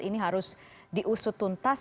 ini harus diusut tuntas